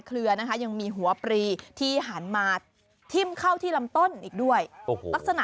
เป็นอย่างมากและแน่นอนคุณผู้ชมขาบางคนก็นี่ล่ะค่ะ